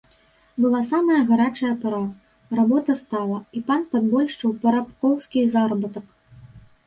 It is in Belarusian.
Была самая гарачая пара, работа стала, і пан падбольшыў парабкоўскі заработак.